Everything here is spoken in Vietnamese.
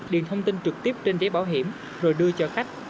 điền thông tin trực tiếp trên giấy bảo hiểm rồi đưa cho khách